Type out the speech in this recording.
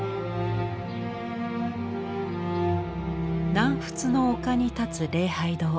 南仏の丘に立つ礼拝堂。